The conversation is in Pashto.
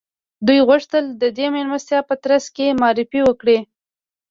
دوی غوښتل د دې مېلمستیا په ترڅ کې معرفي وکړي